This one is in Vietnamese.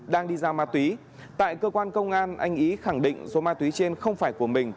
đang đi giao ma túy tại cơ quan công an anh ý khẳng định số ma túy trên không phải của mình